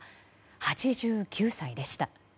８９歳でした。